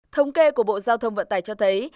thống kê của bộ giao thông vận tải cho thấy